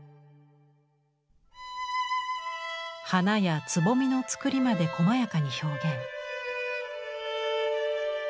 花や蕾のつくりまでこまやかに表現。